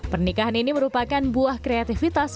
pernikahan ini merupakan buah kreativitas